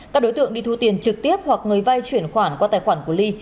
các đối tượng đi thu tiền trực tiếp hoặc người vay chuyển khoản qua tài khoản của ly